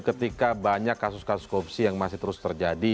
ketika banyak kasus kasus korupsi yang masih terus terjadi